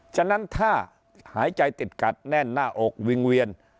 ฉะนั้นถ้าหายใจติดขัดแน่นหน้าอกวิงเวียน